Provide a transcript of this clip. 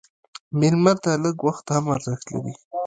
مېلمه ته لږ وخت هم ارزښت لري.